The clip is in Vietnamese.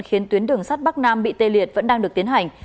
khiến tuyến đường sắt bắc nam bị tê liệt vẫn đang được tiến hành